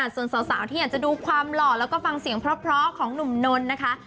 ส่วนสาวที่อยากจะดูความหล่อแล้วก็ฟังเสียงเพราะของหนุ่มนนท์นะคะ